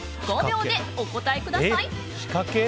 ５秒でお答えください。